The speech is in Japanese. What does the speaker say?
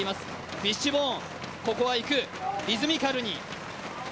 フィッシュボーン、ここはいく、リズミカルに。